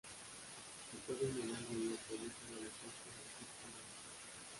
Se puede llegar mediante el uso de la sexta circunvalación.